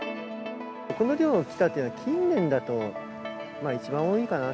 この量が来たというのは、近年だと、一番多いかな。